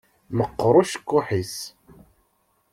Meqqeṛ ucekkuḥ-is.